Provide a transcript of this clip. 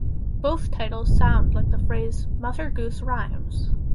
Both titles sound like the phrase "Mother Goose Rhymes".